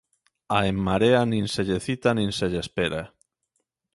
A En Marea nin se lle cita nin se lle espera.